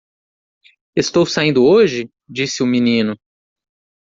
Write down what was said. "Estou saindo hoje?" disse o menino.